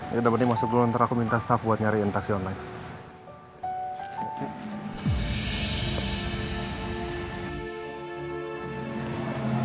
ya udah mending masuk dulu ntar aku minta staff buat nyariin taksi online